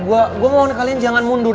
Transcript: gue mohon kalian jangan mundur